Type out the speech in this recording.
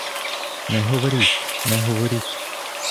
Не говоріть, не говоріть!